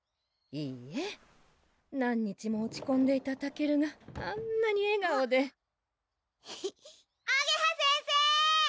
いいえ何日も落ちこんでいたたけるがあんなに笑顔であげは先生！